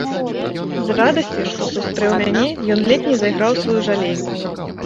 З радасці, што сустрэў мяне, ён ледзь не зайграў у сваю жалейку.